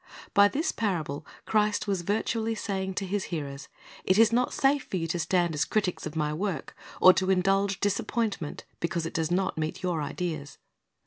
By this parable Christ was virtually saying to His hearers, It is not safe for you to stand as critics of My work, or to indulge disappointment because it does not meet your ideas.